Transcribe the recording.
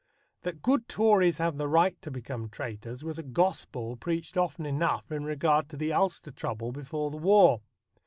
That good Tories have the right to become traitors was a gospel preached often enough in regard to the Ulster trouble before the war.